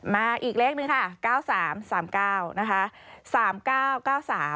มาอีกเลขนึงค่ะ๙๓๓๙นะคะ